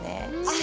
あ。